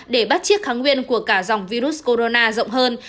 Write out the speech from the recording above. để bắt chiếc kháng nguyên của cả dòng virus corona rộng hơn